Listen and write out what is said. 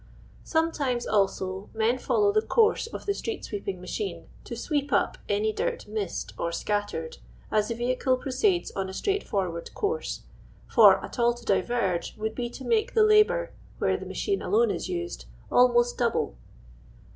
Sometimes, also, men follow the course of the street sweeping machine, to " sweep up " any dirt missed or scattered, as the vehicle proceeds on a straightforward course, for at all to diverge would be to make the labour, where the machine alone is used, almost double.